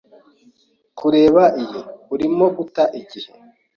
Kureka iyi. Urimo guta igihe.